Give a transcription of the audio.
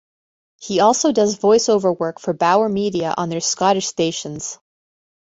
He also does voice over work for Bauer Media on their Scottish stations.